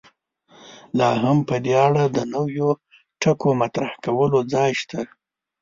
لا هم په دې اړه د نویو ټکو مطرح کولو ځای شته.